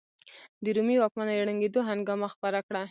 د رومي واکمنۍ ړنګېدو هنګامه خپره کړه.